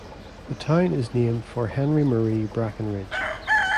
The town is named for Henry Marie Brackenridge.